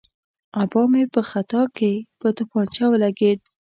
آبا مې په خطا کې په تومانچه ولګېد.